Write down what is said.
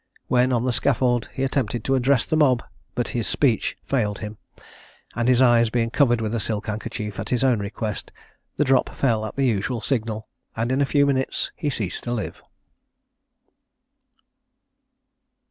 When on the scaffold, he attempted to address the mob; but his speech failed him, and his eyes having been covered with a silk handkerchief at his own request, the drop fell at the usual signal, and in a few minutes he ceased to live.